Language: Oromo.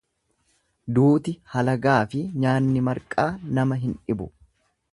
Duuti halagaafi nyaanni marqaa nama hin dhibu.